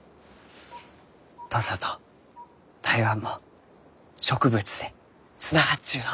土佐と台湾も植物でつながっちゅうのう。